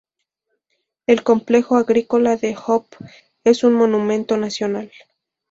El complejo agrícola De Hoop es un monumento nacional.